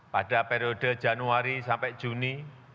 pada periode januari sampai juni dua ribu dua puluh